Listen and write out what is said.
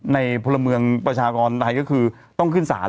พลเมืองประชากรไทยก็คือต้องขึ้นศาล